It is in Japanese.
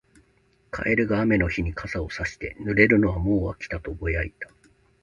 カエルが雨の日に傘をさして、「濡れるのはもう飽きた」とぼやいた。